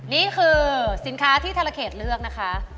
นี่คือสินค้าที่ธรเขตเลือกนะคะ